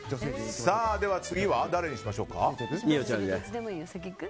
では次は誰にしましょうか。